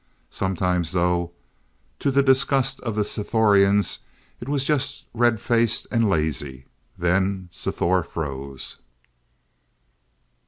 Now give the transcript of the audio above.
Sometimes, though, to the disgust of the Sthorians it was just red faced and lazy. Then Sthor froze.